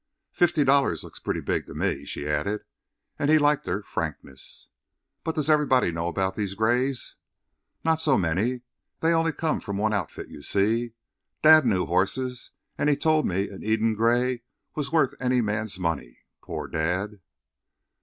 Fifty dollars looks pretty big to me," she added, and he liked her frankness. "But does everybody know about these grays?" "Not so many. They only come from one outfit, you see. Dad knew horses, and he told me an Eden Gray was worth any man's money. Poor Dad!"